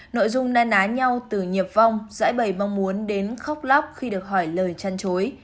nội dung na ná nhau từ nhịp vong giãi bầy mong muốn đến khóc lóc khi được hỏi lời chăn chối